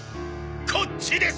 こっちです！